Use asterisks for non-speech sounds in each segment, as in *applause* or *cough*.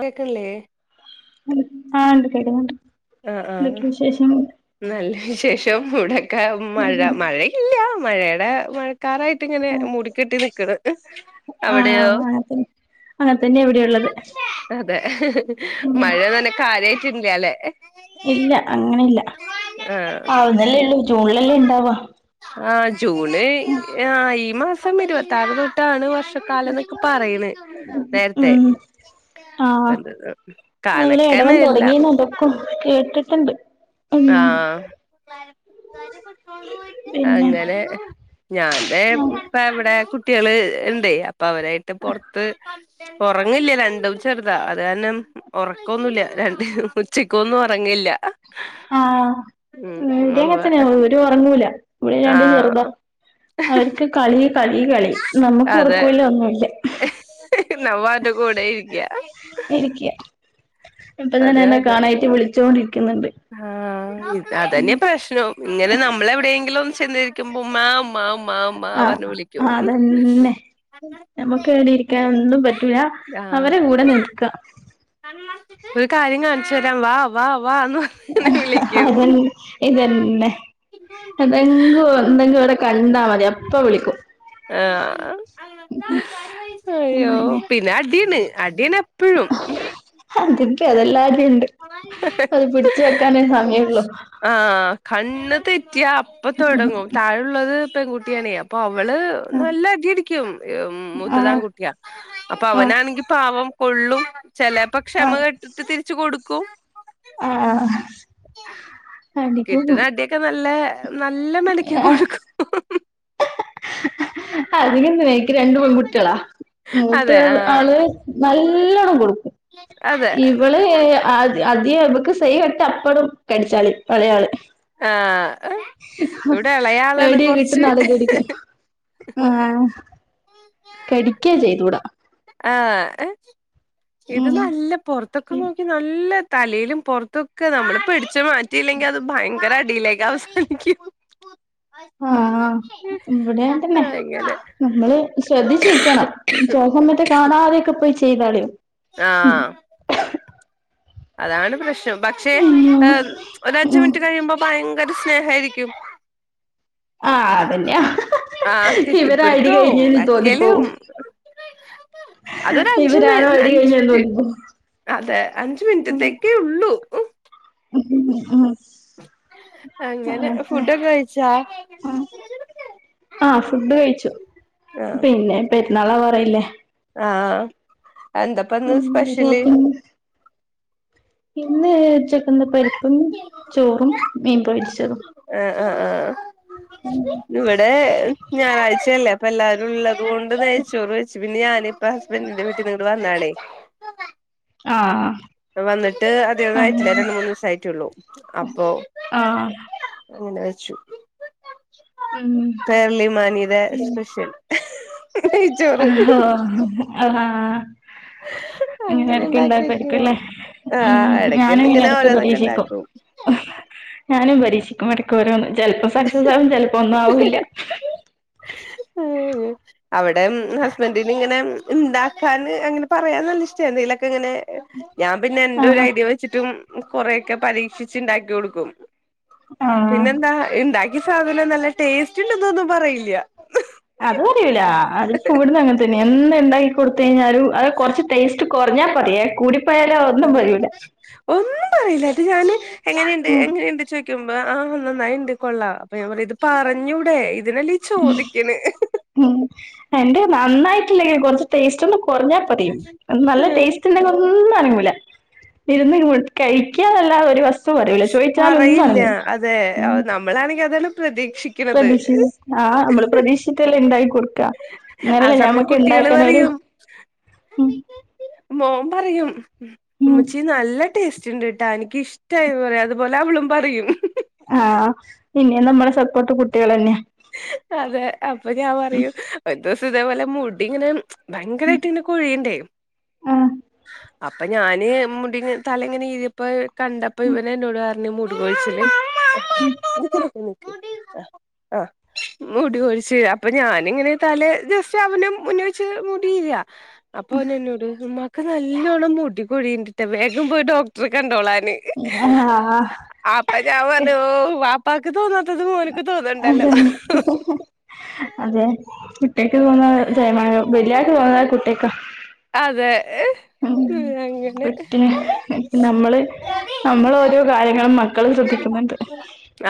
കേക്കില്ലേ ആഹ് ഉണ്ട് കേക്ക്ണ്ട് ആ ആഹ് നല്ല വിശേഷം ഇവ്ടൊക്കെ മഴ മഴ യില്ല മഴയുടെ മഴ ക്കാറായിട്ടിങ്ങനെ മൂടിക്കെട്ടി നിക്കണ് അവിടെയോ അങ്ങൻ തന്നെയാ ഇവിടെള്ളത് അതെ ഉം മഴ *unintelligible* കാര്യായിട്ടില്ല ലേ ഇല്ല അങ്ങനെയില്ല ആഹ് ആവുന്നല്ലേ ഉള്ളൂ ജൂണിലല്ലേ ഉണ്ടാവാ ആഹ് ജൂണ് ആ ഈ മാസം ഇരുപത്താറ് തൊ ട്ടാണ് വർഷക്കാലം എന്നൊക്കെ പറയണ് നേരത്തെ ഉം ആ പ്പൊന്ത അതുപോലെ കണക്കന്നെ എടവം എല്ലാം തുടങ്ങിന്ന് അതൊക്കെ കേട്ടിട്ടുണ്ട് ഉം ആഹ് പിന്നെ അങ്ങനെ ഞാൻ തേ അപ്പ ഇവിടെ കുട്ടികള് ഉണ്ട് അപ്പൊ അവരായിട്ട് പൊറത്ത് ഒറങ്ങല്ല രണ്ടും ചെറുതാ അത് കാരണം ഒറക്കൊന്നുല്ല രണ്ടും ഉച്ചക്കൊന്നും ഉറങ്ങില്ല ആഹ് ഇവിടിം അങ്ങൻത്തന്നെയാ ഒരു ഒറങ്ങൂല ഇവിടെ രണ്ടും ചെറുതാ ആഹ് അവർക്ക് *unintelligible* കളി കളി കളി നമുക്ക് ഒറക്കോല്ല ഒന്നുല്ല നമ്മ അവര്ടെ കൂടെ ഇരിക്ക ഇരിക്ക ഇപ്പൊ അത് തന്നെ എന്നെ കാരണം കാണായിട്ട് വിളിചോണ്ടിരിക്കുന്നുണ്ട് ആഹ് ഇത് അതന്നെ പ്രശ്നം ഇങ്ങനെ നമ്മള് എവിടെയെങ്കിലും ഒന്ന് ചെന്ന് ഇ ക്കുമ്പോ ഉമ്മാ ഉമ്മാ ഉമ്മാ ഉമ്മാ ആഹ് പറഞ്ഞ് വിളിക്കും ആഹ് അതന്നെ നമുക്ക് എവിടെയിരിക്കാനും ഒന്നും പറ്റൂല്ല ആഹ് അവരെ കൂടെ നിൽക്ക ഒരു കാര്യം കാണിച്ചു തരാം വാ വാ വാന്ന് പറഞ്ഞ് അത് തൻ വിളിക്കും ഇത് തന്നെ എന്തെങ്കും എന്തെങ്കും ഇവിടെ കണ്ടാ മതി അപ്പ വിളിക്കും ആഹ് അയ്യോ പിന്നെ അടിയണ് അടിയാണ് എപ്പോഴും അതൊക്കെ അതെല്ലാറ്റിൽ ഇണ്ട് അത് പിടിച്ച് വെക്കാനേ സമയള്ളു ആഹ് കണ്ണ് തെറ്റിയാ അപ്പ തുടങ്ങും താഴ ഉള്ളത് പെൺകുട്ടിയാണേ അപ്പൊ അവള് അവള് നല്ല അടി അടിക്കും മൂത്തത് ആൺ ആഹ് കുട്ടിയാ അപ്പൊ ആഹ് അവനാണെങ്കി പാവം കൊള്ളും ചേലേപ്പോ ക്ഷമ ആഹ് കെട്ടിട്ട് തിരിച്ച് കൊടുക്കും ആഹ് അടിക്കും കിട്ടുന്ന അടിയൊക്കെ നല്ലേ നല്ല മെനക്കെ കൊടുക്കു അതിനെന്താ എനിക്ക് രണ്ട് പെൺകുട്ടിയളാ മൂത്ത അതെ ആഹ് ആള് നല്ലോണം കൊടുക്കും അതെ ഇവള് യായാ അ അധി അധികം ഇവക്ക് സഹി കെട്ടാ അപ്പഴും കടിച്ചാല് എളേയാള് ആഹ് ഇവിടെ എളയാളാണ് പേടിയാ കൊറച്ച് കിട്ടുന്ന ആളെ കടിക്കും ആഹ് കടിക്കാ ചെയ്തൂടാ ആഹ് ഇത് ഉം നല്ല പൊറത്തൊക്കെ നോക്കി നല്ല തലയിലും പൊറത്തൊക്കെ നമ്മള് പിടിച്ചു മാറ്റിയില്ലെങ്കിൽ അത് ഭയങ്കര അടിയിലേക്ക് അവസാനി ക്കും ആഹ് ഇവിടെ തന്നെ അങ്ങനെ നമ്മള് ശ്രദ്ധിച്ചു നിക്കണം ചെല സമയത്ത് കാണാതെയൊക്കെ പോയി ചെയ്ത് കളയും ആഹ് അതാണ് പ്രശ്നം പക്ഷേ അയ്യോ ആഹ് ഒരു അഞ്ചു ഉം മിനിറ്റ് കഴിയുമ്പോ ഭയങ്കര സ്നേഹായിരിക്കും ആഹ് അതന്നെയാ ആന് ഇവരാ അടി കെട്ടിപ്പിടുത്തവും കഴിഞ്ഞെന്ന് എക്കലും തോന്നിപ്പോവും അതൊരു അഞ്ച് മി ഇവരാണോ അടി അഞ്ച് കഴിഞ്ഞെന്ന് മിൻറ്റ് തോന്നിപ്പോവും അതെ അഞ്ച് ഉം മിനിറ്റത്തേക്കേ ഉള്ളൂ *unintelligible* ഉം അങ്ങനെ പിന്നെ ഫുഡൊക്കെ കഴിച്ചാ ഉം ആഹ് ഫുഡ് കഴിച്ചു ആഹ് പിന്നെ പെരുന്നാളാവാറായില്ലേ ആഹ് എന്താപ്പന്ന് ഇല്ല സ്പെഷ്യല് ഷോപ്പിങ് പിന്നെ ഉച്ചക്കെന്താ പരി *unintelligible* ചോറും മീൻ പൊരിച്ചതും ആഹ് ആഹ് ആഹ് ഇവിടെ ഞായറാഴ്ചയല്ലേ അപ്പ എല്ലാരും ഉള്ള അത് കൊണ്ട് നെയ്ച്ചോറ് വെച്ചു പിന്നെ ഞാന് ഇപ്പ ഹസ്ബൻഡിന്റെ വീട്ടിന്ന് ഇങ്ങട്ട് വന്നാണേ ആഹ് വന്നിട്ട് അധികം ഒന്നും ആയിട്ടില്ല അങ്ങനെ രണ്ട് മൂന്ന് ദിവസമായിട്ടുള്ളു അപ്പൊ ആഹ് അങ്ങനെ വെച്ചു ഉം പേർലിമാണിയുടെ സ്പെഷ്യൽ നെയ്ച്ചോറ് ഹ് ഓ അഹാ അങ്ങനെ ഇടക്കെല്ലാം ഇണ്ടാക്കി വെച്ചതാ പേടിക്കുംല്ലേ ഉം ആഹ് എടക്ക് ഞാനും ഇങ്ങനെ ഇടക്ക് ഓരോന്നൊക്കെ പരീക്ഷിക്കും ഇണ്ടാക്കും ഞാനും പരീക്ഷിക്കും ഇടക്ക് ഓരോന്ന് ചിലപ്പോ സക്സസ് ആകും ചിലപ്പോ ഒന്നും ആവില്ല ഊ അവിടേം ഹസ്ബൻ്റിന് ഇങ്ങനെ ഉണ്ടാക്കാന് അങ്ങനെ പറയാൻ നല്ല ഇഷ്ട എന്തെങ്കിലൊക്കെ ഇങ്ങനെ ഞാൻ പിന്നെ എന്റെ ഒരു ആഹ് ഐഡിയ വെച്ച് വെച്ചിട്ടും കൊറേക്കെ പരീക്ഷിച്ചു ഉണ്ടാക്കി കൊടുക്കും ആഹ് പിന്നെന്താ ഉണ്ടാക്കി ഈ സാധനം നല്ല ടേസ്റ്റ് ഇല്ലന്നൊന്നും പറയില്ല അത് പറയൂല അത് ഇപ്പം ഇവിടുന്ന് അങ്ങനെ തന്നെയെ എന്ത് ഉണ്ടാക്കി കൊടുത്ത് കഴിഞ്ഞാലും അത് കൊറച്ച് ടേസ്റ്റ് കുറഞ്ഞാ പറയുവേ കൂടിപ്പോയാലൊ ഒന്നും പറയൂല ഒന്നും പറയില്ല അത് ഞാന് എങ്ങനെയണ്ട് ഉം എങ്ങനെയുണ്ട് ചോദി മ്പ ആ നന്നായിണ്ട് കൊള്ളാം അപ്പൊ ഞാൻ പറ ഇത് പറഞ്ഞൂടെ ഇതിനല്ലീ ചോദിക്കണെ ഉം എന്റെ നന്നായിട്ടില്ലെങ്കിൽ കൊറച്ച് ടേസ്റ്റ് ഒന്നു കുറഞ്ഞാൽ പറയും നല്ല ടേസ്റ്റ് ഉണ്ടെ ഒന്നുനങ്ങൂല ഇരുന്നു കഴിക്കാനല്ല ഒരു വസ് പറയില്ല അതെ ഉം നമ്മളാണെങ്കിൽ അതാണ് പ്രതീക്ഷി പ്രതീക്ഷി ആ നമ്മള് പ്രതീക്ഷിച്ചിട്ടല്ലെ ഉണ്ടാക്കി കൊടു ക ആ ന്നാലല്ലേ സമയം കുട്ടികള് ഞമ്മക്ക്ണ്ടാക്കാനൊരു പറയും മ് മോൻ പറയും ഉം ഇമ്മച്ചി നല്ല ടേസ്റ്റ് ഉണ്ട്ട്ടാ എനിക്ക്ഷ്ടായി പറയും അതുപോലെ അവളും പറയും ആ ഇഞി നമ്മുടെ സപ്പോർട്ട് കുട്ടികൾന്നാ അതെ അപ്പൊ ഞാൻ പറയും ഒരു ദിവസം തേപോലെ മുടിങ്ങനെ ഭയങ്കരയിട്ട്ങ്ങനെ കൊഴിയിണ്ടേ ആ അപ്പൊ ഞാന് മുടി തലങ്ങനെ ഈഴ് പ്പൊ കണ്ടപ്പോ ഉം ഇവനന്നോട് പറഞ്ഞു മുടി കൊഴിച്ചില് ഉം ആഹ് മുടി കൊഴിച്ചിൽ അപ്പൊ ഞാനിങ്ങനെ തലെ ജസ്റ്റ് അവനും മുന്നിവച്ച് മുടിയീര അപ്പൊ അവനെന്നോട് ഉമ്മാക്ക് നല്ലോണ്ണം മുടി കൊഴീണ്ടിട്ട വേഗം പോയി ഡോക്ടറെ കണ്ടോളാന് ആഹ് ഹാ ആപ്പ ഞാ പറഞ്ഞ് ഓ വാപ്പാക്ക് തോന്നാത്തത് മോനക്ക് തോന്നണ്ടല്ലോ അതെ വിട്ടേ *unintelligible* തോന്ന തേമാനം വലിയാക്ക്‌ തോന്നാ കുട്ടിക്ക അതെ ഉ ഉം, അങ്ങനെ കുട്ടി നമ്മള് നമ്മള് ഓരോ കാര്യങ്ങളും മ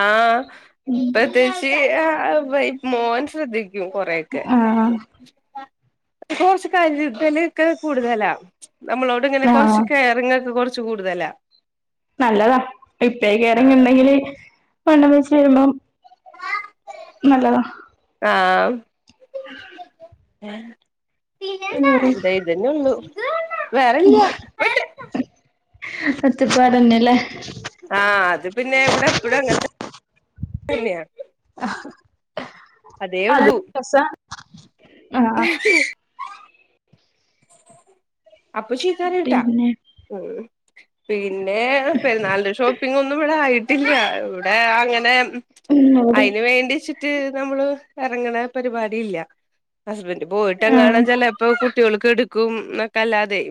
ആഹ് പ്രത്ത്യേകിച്ച് ത് ആഹ് മോൻ ശ്രദ്ധിക്കും കൊറയൊക്കെ ആഹ് കൊറച്ച് കരുതല് ക്കെ കൂടുതലാ നമ്മളോട്ങ്ങനെ ആഹ് കൊറച്ച് കെയറിംങ്ങ് ഒക്കെ കുറച്ച് കൂടുതലാ നല്ലതാ ഇപ്പേ കെയറിംങ്ങ് ആഹ് ണ്ടെങ്കില് വണ്ണം വെച്ച് വരുമ്പം നല്ലതാ ആഹ് ഇതേ ഇതന്നെള്ളൂ വേറെല്ല കഷ്ടപ്പാട്നലെ ആ അത് പിന്നെ ഇവിടെ എപ്പഴും അങ്ങനത്തെ *unintelligible* *unintelligible* അതേ ഉള്ളൂ ആഹ് അപ്പ ചീതറിട്ടാ പിന്നെ ഉം പിന്നെ പെരുന്നാൾൻ്റെ ഷോപ്പിങ്ങൊന്നും ഇവിടെ ആയിട്ടില്ല. ഇവിടെ അങ്ങനെ ഉ ഉം അവിടെ അയ്ന് വേണ്ടിച്ചിട്ട് നമ്മള് എറങ്ങ്ണ പരിപാടി ഇല്ല. ഹസ്ബന്ഡറ് ആഹ് പോയിട്ടങ്ങാനും ചെലെപ്പോ കുട്ടികൾക്കടുക്കും എന്നൊക്കെല്ലാതെ.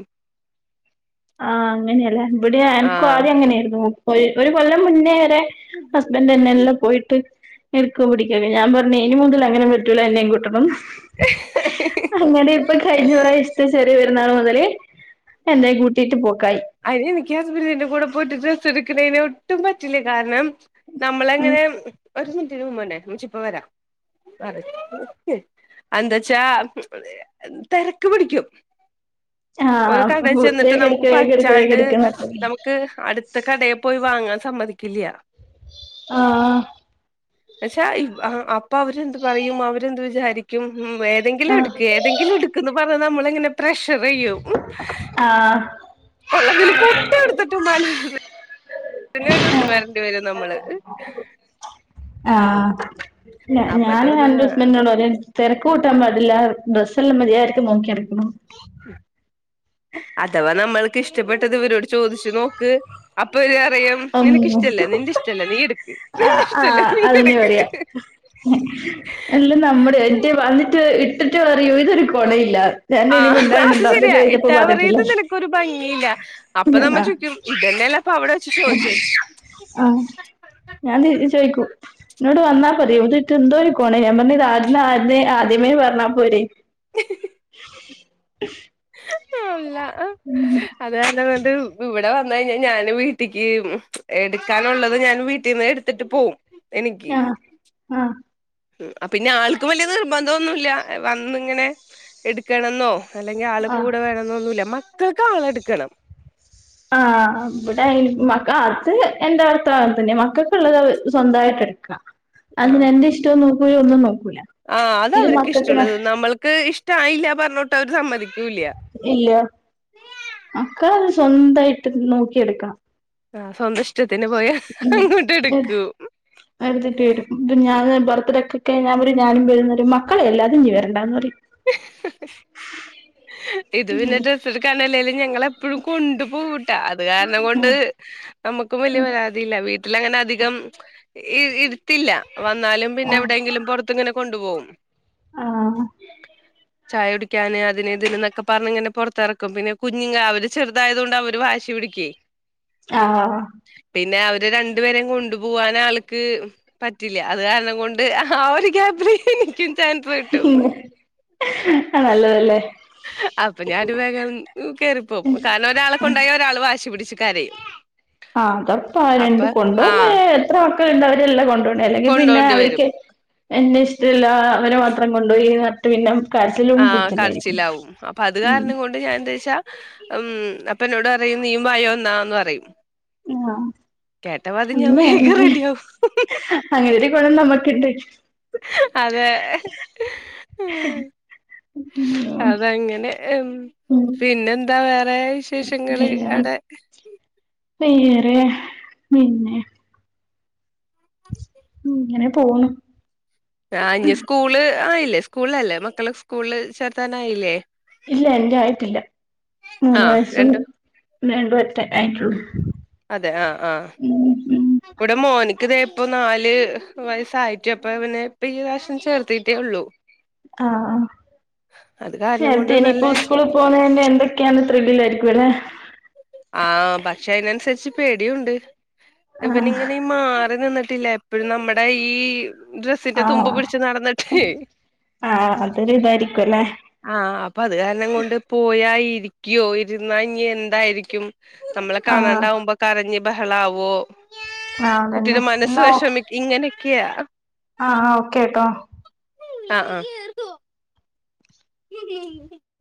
ആ അങ്ങനെല്ലേ ഇവിടെ ഇൻക്കും ആഹ് ആദ്യം അങ്ങനെയിരുന്നു മുപ്പത് ഒരു കൊല്ലം മുന്നേ വരെ. ഹസ്ബൻഡ്ന്നെ എല്ലാം പോയിട്ട് എരിക്കും പിടിക്കെ ഞാൻ പറഞ്ഞ് ഇനി മൂതിൽ അങ്ങനെ പറ്റൂലാ എന്നെയും കൂട്ടണം. അങ്ങനെപ്പൊ കഴിഞ്ഞ പ്രാവശ്യത്തെ ശരി ചെറിയ പെരുന്നാൾ മുതല് എന്നെയും കൂട്ടിട്ട് പോക്കായി. അയ്നിക്ക് ഹസ്ബൻഡിന്റെ കൂടെ പോയിട്ട് ഡ്രസ്സ് എടുക്കുന്നെ ഒട്ടും പറ്റില്ലേ കാരണം. ഉം നമ്മളങ്ങനെ ഒരു മിനിറ്റിന് മുമ്പ്ന്നെ ഇചി ഇപ്പ വരാം പറിം എന്താച്ചാ തിരക്ക് പിടിക്കും ഒരു കട ആഹ് ചെന്നിട്ട് വേഗം നമുക്ക് എടുക്ക് പ വേഗം എടുക്ക് വേഗം ണ്ട് എടുക്ക്ന്ന് പറഞ്ഞിട്ട് നമുക്ക് അടുത്ത കടയിൽ പോയി വാങ്ങാൻ സമ്മതിക്കില്ല. ആഹ് പക്ഷെ അപ്പൊ അവരെന്ത് പറയും അവരെന്ത് വിചാരിക്കും ഉ ഏതെങ്കിലും എടുക്ക് ഏതെങ്കിലും എടു പറഞ്ഞ നമ്മളിങ്ങനെ പ്രഷർ ചെയ്യും. ആഹ് ഉള്ളതില് പൊട്ട എടുത്തിട്ടും മല പിന്നെ ഒരു വരണ്ടി വരും നമ്മള് ആഹ അപ്പൊ ഞാനും എന്റെ തോന്നും ഹസ്ബന്റിനോട് തരക്ക് കൂട്ടാൻ പാടില്ല ഡ്രസ് എല്ല മരിയാതക്ക് നോക്കിയെടുക്കണം. ഉ *inaudible* അഥവാ നമ്മൾക്ക് ഇഷ്ടപ്പെട്ടത് ഇവരോട് ചോദിച്ചു നോക്ക് അപ്പൊ ഇര് പറിയും. നിനക്ക് അള്ളോ ഇഷ്ടല്ലെ നിന്റെ ഇഷ്ടല്ലെ നീ എടുക്ക് ആ നിന്റെ ഇഷ്ടല്ലെ നീ എടുക്ക്. എല്ല നമ്മുടെ എറ്റ വന്നിട്ട് ഇട്ടിട്ട് അറിയൂ ഇതൊരു. കൊണയില്ല ഞാൻ ആ ഇനി അത് മിണ്ടാണ്ടിരുന്നോ അപ്പൊ ശരിയാ ചോദിച്ചപ്പോ ഇട്ടാ പറഞ്ഞിട്ടില്ല പറയുംഇത് നിനക്ക് ഒരു ഭംഗിയില്ല അപ്പൊ നമ്മ ആ ചോക്കും. ഇതല്ലല്ലാം അപ്പൊ അവിടെ വെച്ചു ചോദിച്ചേ ആഹ ഞാൻ ചോയിക്കൂം. എന്നോട് വന്നാ പറയും ഇതിട്ട് എന്തോരിക്കോല ഞൻ പറഞ്ഞ ആദ്യ ആദ്യമേ പറഞ്ഞാൽ പോരെ. ആല്ല ഉം അതല്ലണ്ട് ഇവിടെ വന്ന കഴിഞ്ഞാൽ ഞാന് വീട്ടിക്ക് എടുക്കാനുള്ളത് ഞാൻ വീട്ടിൽന്ന് എടു ത്തിട്ട് പോവും ആഹ ആഹ് ഉ അ പിന്നെ ആൾക്ക് വലിയ നിർബന്ധം ഒന്നുല്ല. വന്നിങ്ങനെ എടുക്കണെന്നോ അല്ലെങ്കിൽ ആള് ആ കൂടെ വേണെന്നോന്നുല്ല മക്കൾക്ക് ആളെടുക്കണം. ആഹ് ഇവിടെ മക്ക അത് എന്താ അർഥ തന്നെ മക്കക്ക്കെ ഉള്ളത് സ്വന്തമായിട്ട് എടുക്കുക അതിന് എന്റെ ഇഷ്ടംന്ന് നോക്കൂ ഒന്നും നോക്കൂല. ആ അത് ഇത് അവർക്ക് മക്കൾക്ക് ഇഷ്ടമുള്ളത് നമ്മൾക്ക് ഇഷ്ടമായില്ല പറഞ്ഞോട്ട് അവര് സമ്മതിക്കൂല്ല. ഇല്ല മക്കൾ സ്വന്തമായിട്ട് നോക്കിയെടുക്കണം. ആ സ്വന്തഷ്ടത്തിന് പോയാ അങ്ങോട്ട് എടുക്കൂം. എരുതിട്ട് വരും ഇപ്പ ഞാന് ബർത്ത്ഡേക്കൊക്കെ ഞാൻ പറയും ഞാനും വരും ന്ന് പറയും മക്കള് ഇല്ലാതെ നീ വരണ്ടാന്ന് പറയും ഇത് പിന്നെ ഡ്രസ്സ് എടുക്കാനല്ലെലും ഞങ്ങളെ എപ്പഴും കൊണ്ടു പോവൂട്ടോ അത് കാരണം കൊണ്ട് നമ്മുക്കും വലിയ പരാതിയില്ല വീട്ട ട്ടിലങ്ങനെ അധികം ഇട്ത്തില്ല വന്നാലും പിന്നെ എവിടെങ്കിലും പൊറ ത്ത്ങ്ങനെ കൊണ്ടു പോവും ആഹ് ചായ കുടിക്കാന് അതിന് ഇതിന് ഒക്കെ പറഞ്ഞിങ്ങനെ പൊറത്തിറക്കും പിന്നെ കുഞ്ഞുങ്ങൾ അവര് ചെറുതായത് കൊണ്ട് അവര് ഇങ്ങനെ വാശി പിടിക്കേയ് ആഹ് പിന്നെ അവര് രണ്ടുപേരെയും കൊണ്ടു പോവാൻ ആൾക്ക് പറ്റില്ല അത് കാരണം കൊണ്ട് ആ ഒരു ഗ്യാപ്പില് ചാൻസ് കിട്ടും അത് നല്ലതല്ലേ അപ്പൊ ഞാനൊരു വേഗം കേയറിപ്പോവും കാരണം ഒരാളെ കൊണ്ടായ ഒരാള് വാശി പിടിച്ചു കരയും ആഹ് അത് ഒറപ്പാ രണ്ട് അപ്പൊ കൊണ്ടോവുമ്പോ ആഹ് എത്ര മക്കളുണ്ട് അവരെല്ലാം കൊണ്ട്പോ അല്ലെങ്കി പിന്നെ കൊണ്ടോണ്ടി വരും അവർക്ക് എന്നെ ഇഷ്ടല്ല അവരെ മാത്രം കൊണ്ടോയി പറഞ്ഞിട്ട് പിന്നെ കരച്ചിലും ആഹ് പിടിച്ചിലും ആയിരിക്കും കരച്ചിലാവും അപ്പൊ അത് ഉം കാരണം കൊണ്ട് ഞാൻ എന്താ വെച്ചാ ഉം അപ്പ എന്നോട് പറയും നീയും വായോ എന്നാന്ന് പറയും ആഹ് കേട്ടപാ അത് ഞാൻ അങ്ങെ വേഗം അങ്ങനെ റെഡിയാവും അങ്ങനെ ഒരു ഗുണം നമ്മുക്കുണ്ട് അതെ അതങ്ങനെ ഉം ഉം പിന്നെ എന്താ വേറെ വിശേഷങ്ങള് പിന്നെ അവിടെ വേറെ പിന്നെ ഉം ഇങ്ങനെ പോണു ആഹ് ഇഞ്ഞി സ്കൂള് ആയില്ലേ സ്കൂളിൽ അല്ലേ മക്കളെ സ്കൂള് ചേർത്താന് ആയില്ലേ ഇല്ല എന്റെ ആയിട്ടില്ല മൂന്ന് ആഹ് വയസ്സും രണ്ടും രണ്ട് വറ്റ ആയിട്ടുള്ളു അതെ ആഹ് ആഹ് ഉം ഇവിടെ മോനിക്ക് തേ ഇപ്പ നാല് വയസായിട്ടു അപ്പ അവനെ ഇപ്പ ഈ പ്രാശ്യം ചേർത്തിട്ടേ ഉള്ളു ആഹ് ആഹ് കാരണം കൊണ്ട് ചേർത്തിയാ നല്ല ഇനിയിപ്പോ സ്കൂള് പോന്നതിൻ്റെ എന്തൊക്കെയാണ് ത്രിൽ ആയിരിക്കും അല്ലെ ആഹ് പക്ഷെ അയ്നനുസരിച്ച് പേടിയുണ്ട് ആഹ് ഇവനിങ്ങനെ മാറി നിന്നിട്ടില്ല എപ്പഴും നമ്മുടെ ഈ ഡ്രസ്സിന്റെ ആഹ് തുമ്പ് പിടിച്ച് നടന്നിട്ടേയ് ആഹ് അതൊരു ഇതായിരിക്കും അല്ലേ ആഹ് അപ്പൊ അത് കാരണം കൊണ്ട് പോയ ഇരിക്കോ ഇരുന്നാ ഇനി എന്തായിരിക്കും നമ്മളെ ആഹ് കാണാണ്ടാവുമ്പോ കരഞ്ഞ് ബഹളാവോ ആഹ് കുട്ടിയുടെ അതന്നെ മനസ്സ് എന്നാ വിഷമിക്ക ഇങ്ങനെക്കെയാ ആഹ് ഓക്കെ ട്ടോ ആഹ് ആഹ് *inaudible*